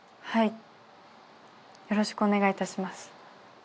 はい。